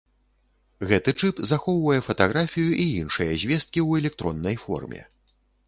Гэты чып захоўвае фатаграфію і іншыя звесткі ў электроннай форме.